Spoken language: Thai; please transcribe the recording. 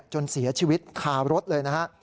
จนเสียชีวิตคารถเลยนะฮะ